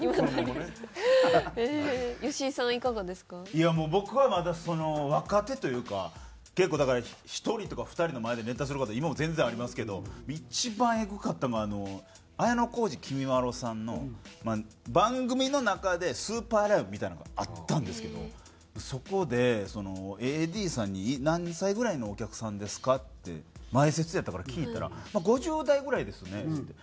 いやもう僕はまだ若手というか結構だから１人とか２人の前でネタする事今も全然ありますけど一番えぐかったのは綾小路きみまろさんの番組の中でスーパーライブみたいなのがあったんですけどそこでＡＤさんに「何歳ぐらいのお客さんですか？」って前説やったから聞いたら「５０代ぐらいですね」っつって。